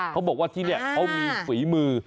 เขาบอกว่าที่นี่เขามีฝีมือ